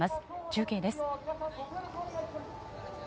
中継です。